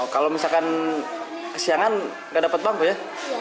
kalau misalkan kesiangan tidak dapat bangku ya